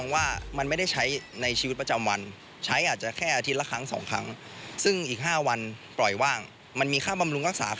ว่าเขามีประวัติยังไงบ้างเคยเช่ามากี่ครั้งแล้ว